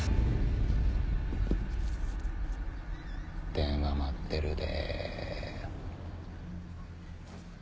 電話待ってるで。